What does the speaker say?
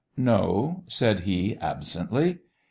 "No?" said he, absently.